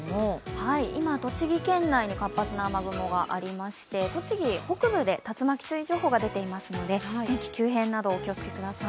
今、栃木県内に活発な雨雲がありまして栃木、北部で竜巻注意情報が出ていますので天気急変などお気をつけください。